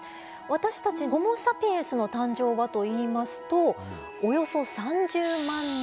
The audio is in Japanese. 私たちホモ・サピエンスの誕生はといいますとおよそ３０万年前。